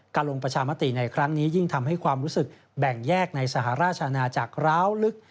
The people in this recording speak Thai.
ลงประชามติในครั้งนี้ยิ่งทำให้ความรู้สึกแบ่งแยกในสหราชอาณาจักรร้าวลึก